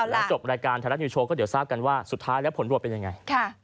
แล้วจบรายการไทยรัฐนิวโชว์ก็เดี๋ยวทราบกันว่าสุดท้ายแล้วผลตรวจเป็นยังไง